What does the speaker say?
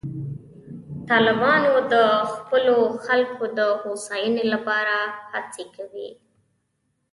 طالبان د خپلو خلکو د هوساینې لپاره هڅې کوي.